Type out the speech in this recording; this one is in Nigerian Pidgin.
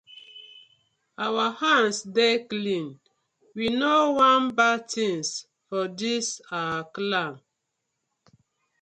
Our hands dey clean, we no wan bad tinz for dis our clan.